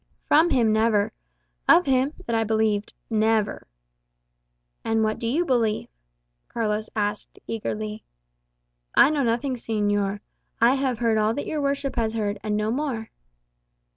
"From him, never. Of him, that I believed, never." "And what do you believe?" Carlos asked, eagerly. "I know nothing, señor. I have heard all that your worship has heard, and no more."